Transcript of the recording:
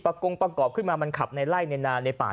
กงประกอบขึ้นมามันขับในไล่ในนาในป่า